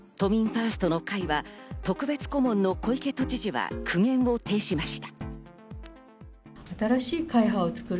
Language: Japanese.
都民ファーストの会は特別顧問の小池都知事が苦言を呈しました。